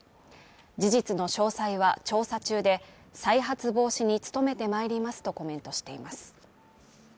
事実の詳細は調査中で、再発防止に努めてまいりますとコメントしています。